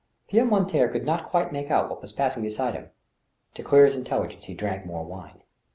Pierre Mortier could not quite make out what was passing beside him. To clear his intelligence, he drank more wine.